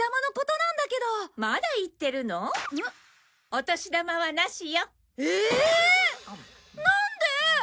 なんで！？